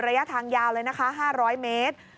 ระยะทางยาวเลยนะคะ๕๐๐เมตร